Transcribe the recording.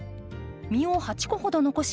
実を８個ほど残し